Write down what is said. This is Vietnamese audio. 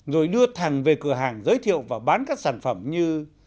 rồi đưa thằng về cửa hàng giới thiệu và bán các sản phẩm như